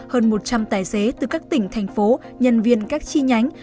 hơn một trăm linh tài xế từ các tỉnh thành phố nhân viên các chi nhánh